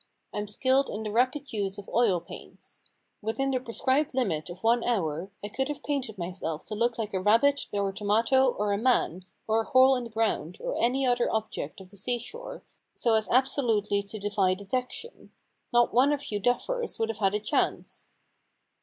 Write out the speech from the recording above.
Fm skilled in the rapid use of oil H7 The Problem Club paints. Within the prescribed limit of one hour I could have painted myself to look like a rabbit, or a tomato, or a man, or a hole in the ground, or any other object of the sea shore, so as absolutely to defy detection. Not one of you duffers would have had a chance.'